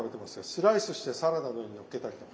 スライスしてサラダの上にのっけたりとか？